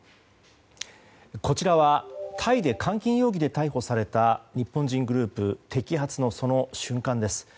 こちらはタイで監禁容疑で逮捕された日本人グループ摘発の瞬間です。